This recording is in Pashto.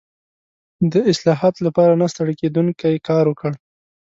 د اصلاحاتو لپاره نه ستړی کېدونکی کار وکړ.